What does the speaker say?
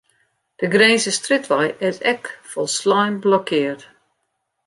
De Grinzerstrjitwei is ek folslein blokkeard.